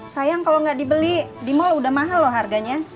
sayang kalau nggak dibeli di mall udah mahal loh harganya